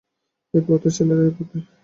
এই পথে, ছেলেরা, এই পথে।